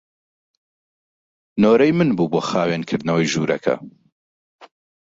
نۆرەی من بوو بۆ خاوێنکردنەوەی ژوورەکە.